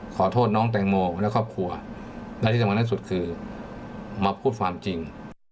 ขอโทษน้องแตงโมและครอบครัวและที่สำคัญที่สุดคือมาพูดความจริง